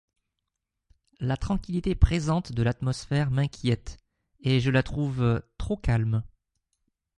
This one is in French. La tranquillité présente de l’atmosphère m’inquiète, et je la trouve « trop calme ».